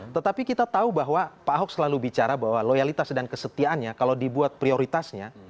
tetapi kita tahu bahwa pak ahok selalu bicara bahwa loyalitas dan kesetiaannya kalau dibuat prioritasnya